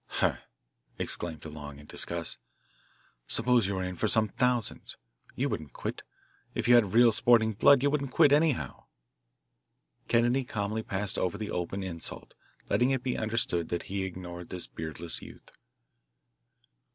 "Huh!" exclaimed DeLong in disgust. "Suppose you were in for some thousands you wouldn't quit. If you had real sporting blood you wouldn't quit, anyhow!" Kennedy calmly passed over the open insult, letting it be understood that he ignored this beardless youth.